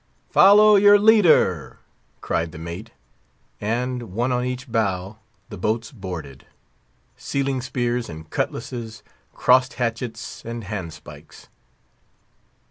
"Follow your leader!" cried the mate; and, one on each bow, the boats boarded. Sealing spears and cutlasses crossed hatchets and hand spikes.